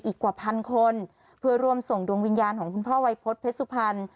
กว่าพันคนเพื่อร่วมส่งดวงวิญญาณของคุณพ่อวัยพฤษเพชรสุพรรณ